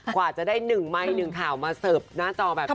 กว่าจะได้๑ไมค์๑ข่าวมาเสิร์ฟหน้าจอแบบนี้